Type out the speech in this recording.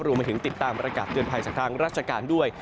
มาถึงติดตามประกาศเตือนภัยจากทางราชการด้วย